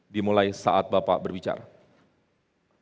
dimulai saat bapak berbicara